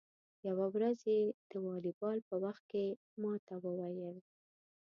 یوه ورځ یې د والیبال په وخت کې ما ته و ویل: